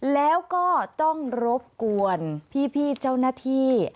แล้วก็ต้องรบกวนพี่เจ้าหน้าที่